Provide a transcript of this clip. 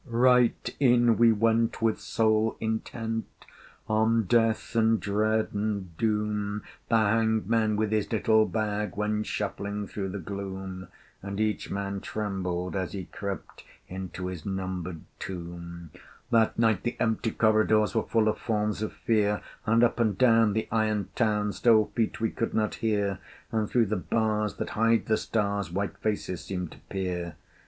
Right in we went, with soul intent On Death and Dread and Doom: The hangman, with his little bag, Went shuffling through the gloom And each man trembled as he crept Into his numbered tomb. That night the empty corridors Were full of forms of Fear, And up and down the iron town Stole feet we could not hear, And through the bars that hide the stars White faces seemed to peer.